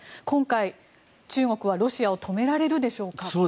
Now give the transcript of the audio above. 今回、中国はロシアを止められるでしょうか。